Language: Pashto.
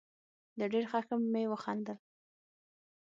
له ډېر خښم مې وخندل.